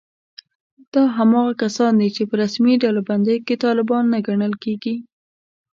دا هماغه کسان دي چې په رسمي ډلبندیو کې طالبان نه ګڼل کېږي